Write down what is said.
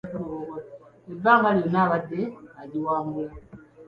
Ebbanga lyonna abadde agiwangula.